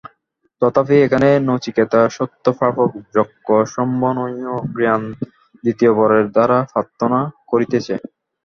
তথাপি এখানে নচিকেতা স্বর্গপ্রাপক যজ্ঞ-সম্বন্ধীয় জ্ঞান দ্বিতীয় বরের দ্বারা প্রার্থনা করিতেছে।